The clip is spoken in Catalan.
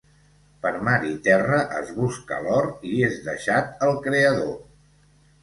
Per mar i terra es busca l'or i és deixat el Creador.